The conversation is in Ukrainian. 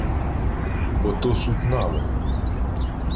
— Бо то суть нави.